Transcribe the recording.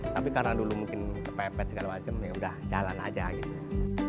tapi karena dulu mungkin kepepet segala macam ya udah jalan aja gitu